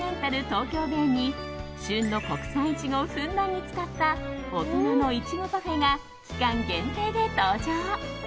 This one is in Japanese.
東京ベイに旬の国産イチゴをふんだんに使った大人のいちごパフェが期間限定で登場。